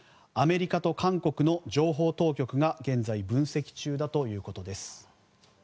アメリカと韓国の情報当局が現在分析中だということです。